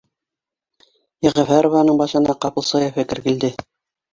Йәғәфәрованың башына ҡапыл сая фекер килде